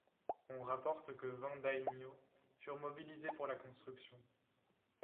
On rapporte que vingt daimyo furent mobilisés pour la construction.